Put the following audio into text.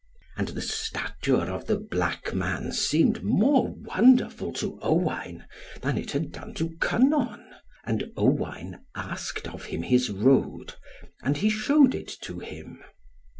And the stature of the black man seemed more wonderful to Owain, than it had done to Kynon, and Owain asked of him his road, and he showed it to him.